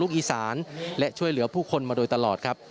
และก็มีการกินยาละลายริ่มเลือดแล้วก็ยาละลายขายมันมาเลยตลอดครับ